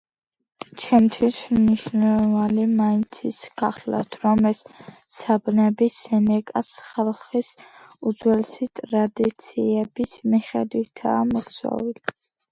ჩემთვის მნიშვნელოვანი მაინც ის გახლავთ, რომ ეს საბნები სენეკას ხალხის უძველესი ტრადიციების მიხედვითაა მოქსოვილი.